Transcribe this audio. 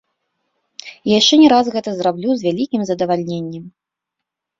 І яшчэ не раз гэта зраблю з вялікім задавальненнем.